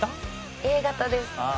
Ａ型です。